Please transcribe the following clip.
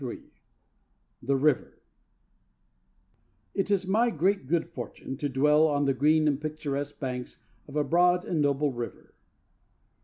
VI THE RIVER It is my great good fortune to dwell on the green and picturesque banks of a broad and noble river.